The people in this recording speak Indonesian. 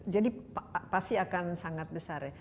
jadi pasti akan sangat besar ya